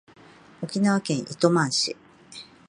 沖縄県糸満市